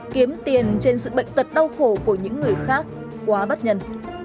kiếm tiền trên sự bệnh tật đau khổ của những người khác quá bắt nhân